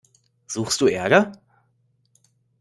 Suchst du Ärger?